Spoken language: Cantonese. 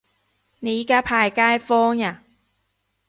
你而家派街坊呀